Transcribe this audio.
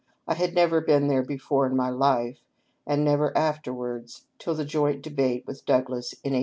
I had never been there before in my life ; and never afterwards, till the joint debate with Douglas in 1858.